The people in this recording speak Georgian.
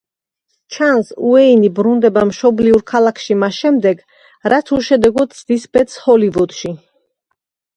ჩანს უეინი ბრუნდება მშობლიურ ქალაქში მას შემდეგ, რაც უშედეგოდ ცდის ბედს ჰოლივუდში.